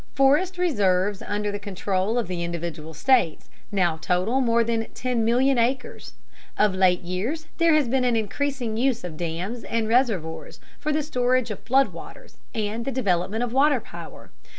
Forest reserves under the control of the individual states now total more than 10,000,000 acres. Of late years there has been an increasing use of dams and reservoirs for the storage of flood waters and the development of water power.